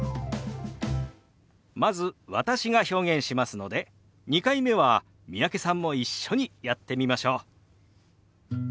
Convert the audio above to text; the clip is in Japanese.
まず私が表現しますので２回目は三宅さんも一緒にやってみましょう。